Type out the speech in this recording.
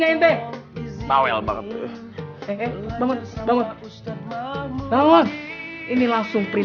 jangan sampai yang miskin